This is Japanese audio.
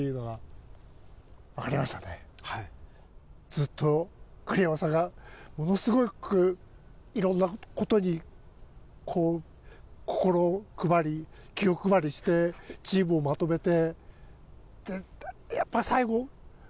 ずっと栗山さんがものすごくいろんな事にこう心を配り気を配りしてチームをまとめて。